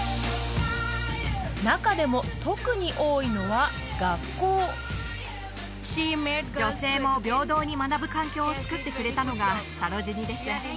中でも特に多いのは学校女性も平等に学ぶ環境をつくってくれたのがサロジニです